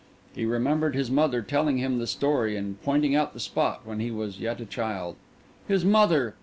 He remembered his mother telling him the story and pointing out the spot, while he was yet a child. His mother!